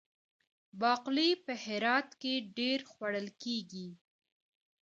باقلي په هرات کې ډیر خوړل کیږي.